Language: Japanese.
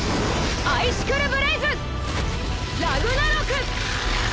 アイシクルブレイズラグナロク！